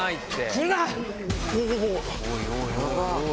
来るな！